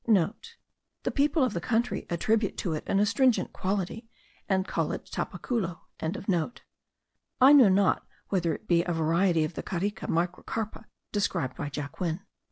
*(* The people of the country attribute to it an astringent quality, and call it tapaculo.) I know not whether it be a variety of the Carica microcarpa, described by Jacquin.